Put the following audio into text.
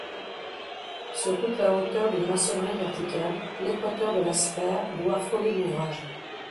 Sur toute la hauteur d'une maçonnerie verticale, l'équateur de la sphère doit frôler l'ouvrage.